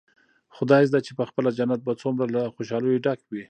خدايزده چې پخپله جنت به څومره له خوشاليو ډک وي.